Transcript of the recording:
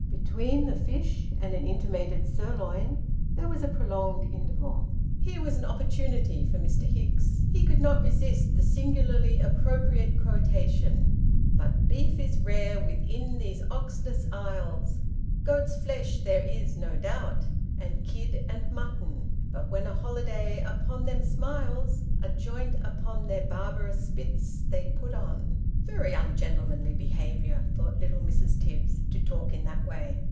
Between the fish and an intimated sirloin, there was a prolonged interval. Here was an opportunity for Mr. Hicks. He could not resist the singularly appropriate quotation " But beef is rare within these oxless isles ; Goats' flesh there is, no doubt, and kid, and mutton, And when a holiday upon them smiles, A joint upon their barbarous spits they put on." <; Very ungentlemanly behaviour," thought little Mrs. Tibbs, " to talk in that way."